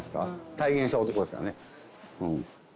体現した男ですからね。